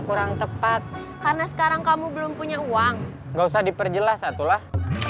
kurang tepat karena sekarang kamu belum punya uang nggak usah diperjelas satulah